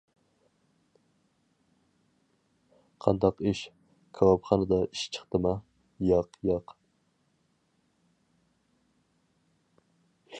قانداق ئىش؟ كاۋاپخانىدا ئىش چىقتىما؟ ياق ياق.